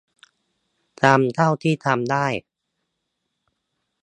ทำเท่าที่ทำได้